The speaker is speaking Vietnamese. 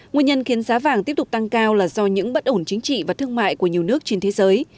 nguyên nhân khiến giá vàng tiếp tục tăng cao là do những bất ổn chính trị và thương mại của nhiều nước trên thế giới